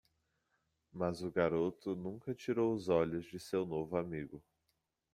Mas o garoto nunca tirou os olhos de seu novo amigo.